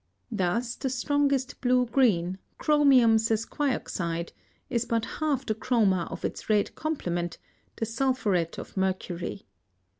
Thus the strongest blue green, chromium sesquioxide, is but half the chroma of its red complement, the sulphuret of mercury.